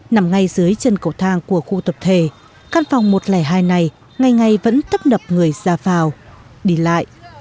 nằm ngay dưới chân cầu thang của khu tập thể căn phòng một trăm linh hai này ngày ngày vẫn tấp nập người ra vào đi lại